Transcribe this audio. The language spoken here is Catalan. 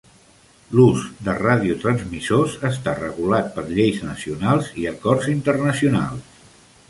L'ús de radiotransmissors està regulat per lleis nacionals i acords internacionals.